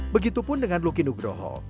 begitu pun dengan lukino groho